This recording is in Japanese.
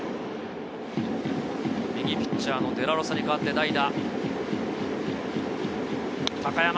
右ピッチャーのデラロサに代わって代打・高山。